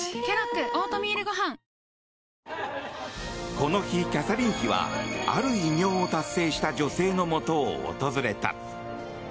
この日、キャサリン妃はある偉業を達成した女性のもとを訪れた。